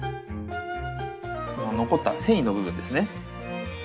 この残った繊維の部分ですね。